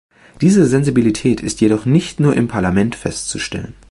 Diese Sensibilität ist jedoch nicht nur im Parlament festzustellen.